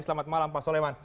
selamat malam pak soleman